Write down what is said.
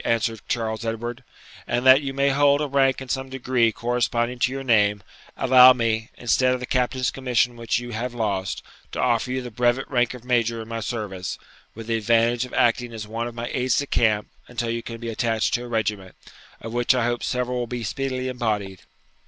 answered Charles Edward; 'and that you may hold a rank in some degree corresponding to your name, allow me, instead of the captain's commission which you have lost, to offer you the brevet rank of major in my service, with the advantage of acting as one of my aides de camp until you can be attached to a regiment, of which I hope several will be speedily embodied.'